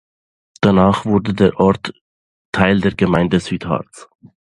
Danach wurde der Ort Teil der Gemeinde Südharz.